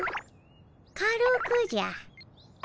軽くじゃ。